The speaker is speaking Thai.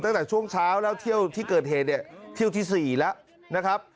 ตั้งแต่ช่วงเช้าแล้วเที่ยวที่เกิดเหตุเนี่ยเที่ยวที่๔แล้วนะครับ